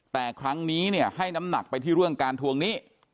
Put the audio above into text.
แต่ครั้งนี้เนี่ยให้น้ำหนักไปที่เรื่องการทวงหนี้